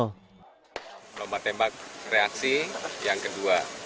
lomba tembak reaksi yang kedua